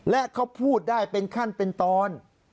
และเขาพูดได้เป็นขั้นเป็นตอน